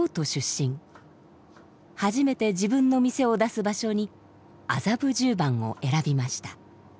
初めて自分の店を出す場所に麻布十番を選びました。